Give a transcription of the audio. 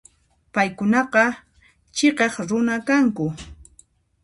Paykunaqa chhiqaq runa kanku.